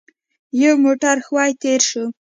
يو موټر ښويه تېر شو.